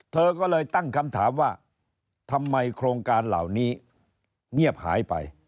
เธอก็เลยตั้งคำถามว่าทำไมโครงการเหล่านี้เงียบหายไป